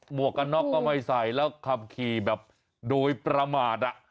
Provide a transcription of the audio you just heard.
วกกันน็อกก็ไม่ใส่แล้วขับขี่แบบโดยประมาท